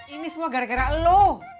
ini semua gara gara lo